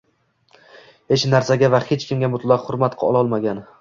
Hech narsaga va hech kimga mutlaq hurmat qolmagan.